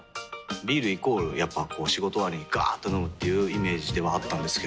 ビールイコールやっぱこう仕事終わりにガーっと飲むっていうイメージではあったんですけど。